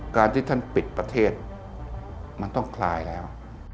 การที่ท่านปิดประเทศมันต้องคลายแล้ว